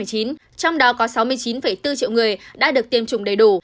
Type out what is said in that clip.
trong đó có sáu mươi chín bốn triệu người đã được tiêm chủng đầy đủ